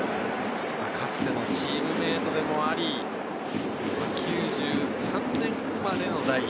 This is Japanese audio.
かつてのチームメートでもあり、９３年生まれの代。